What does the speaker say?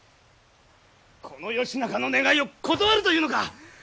この義仲の願いを断るというのか！